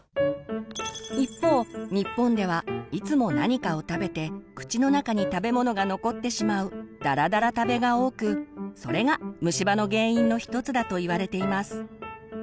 一方日本ではいつも何かを食べて口の中に食べ物が残ってしまう「だらだら食べ」が多くそれが虫歯の原因の一つだと言われています。